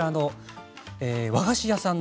和菓子屋さん。